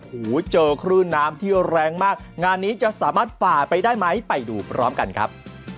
หูเจอคลื่นน้ำที่แรงมากงานนี้จะสามารถฝ่าไปได้ไหมไปดูพร้อมกันครับ